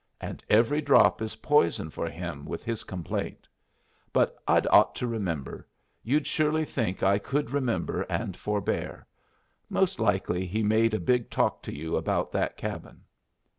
And every drop is poison for him with his complaint. But I'd ought to remember. You'd surely think I could remember, and forbear. Most likely he made a big talk to you about that cabin."